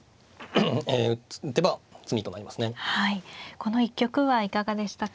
この一局はいかがでしたか。